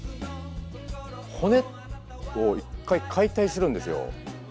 骨を一回解体するんですよ。